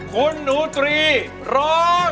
คุณหนูตรีร้อง